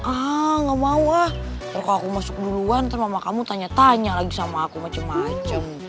ah nggak mau ah kalau aku masuk duluan ntar mama kamu tanya tanya lagi sama aku macem macem